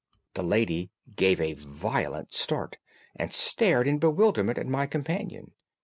The lady gave a violent start and stared in bewilderment at my companion.